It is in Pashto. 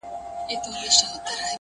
ککرۍ به ماتوي د مظلومانو؛